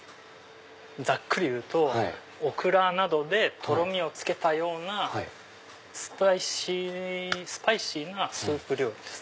ざっくり言うとオクラなどでとろみをつけたようなスパイシーなスープ料理です。